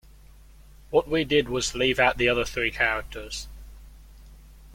What we did was leave out the other three characters.